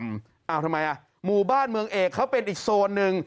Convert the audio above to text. ทำไมอ่ะหมู่บ้านเมืองเอกเขาเป็นอีกโซนหนึ่ง